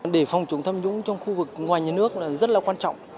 để phòng chống tham nhũng trong khu vực ngoài nhà nước là rất là quan trọng